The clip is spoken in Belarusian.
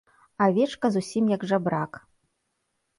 Авечка зусім як жабрак.